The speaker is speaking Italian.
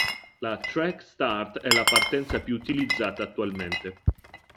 La track start è partenza più utilizzata attualmente.